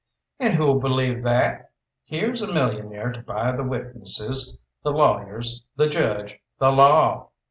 "And who'll believe that? Here's a millionaire to buy the witnesses, the lawyers, the judge, the law!